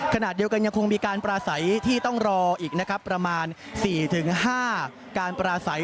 ขณะเดียวกันยังคงมีการปราศัยที่ต้องรออีกนะครับประมาณ๔๕การปราศัย